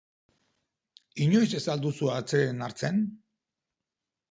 Inoiz ez al duzu atseden hartzen?